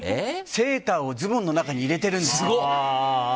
セーターをズボンの中に入れてるんですよ。